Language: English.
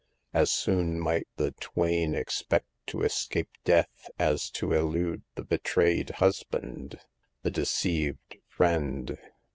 As soon might the twain expect to escape death as to elude the betrayed husband, the deceived friend.